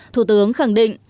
thủ tướng khẳng định